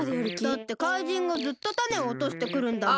だって怪人がずっとタネをおとしてくるんだもん。